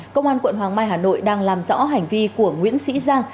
công an quận hoàng mai hà nội đang làm rõ hành vi của nguyễn sĩ giang